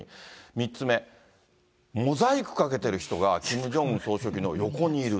３つ目、モザイクかけてる人が、キム・ジョンウン総書記の横にいる。